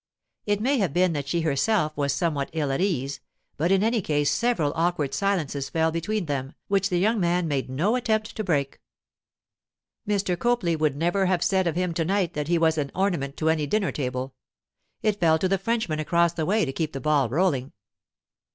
It may have been that she herself was somewhat ill at ease, but in any case several awkward silences fell between them, which the young man made no attempt to break. Mr. Copley would never have said of him to night that he was an ornament to any dinner table. It fell to the Frenchman across the way to keep the ball rolling.